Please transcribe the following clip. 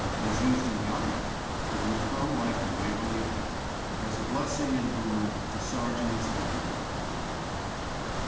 as used in the army, it would come like the Waverley pen— As a blessing and boon to sergeants and men.